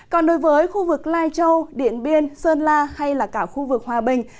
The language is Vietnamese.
còn đối với khu vực lai châu điện biên sơn la hay là cả khu vực hòa bình